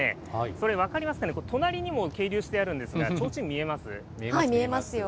それ、分かりますかね、隣にも係留してあるんですが、見えますよ。